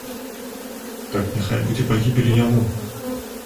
Так няхай будзе пагібель і яму!